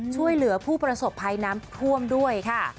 ช่วยเหลือผู้ประสบภัยน้ำท่วมด้วยค่ะ